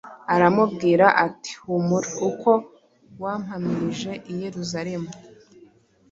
aramubwira ati: ‘Humura; uko wampamirije i Yerusalemu,